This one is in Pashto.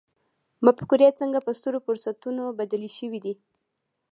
مفکورې څنګه په سترو فرصتونو بدلې شوې دي.